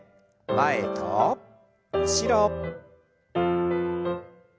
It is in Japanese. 前と後ろ。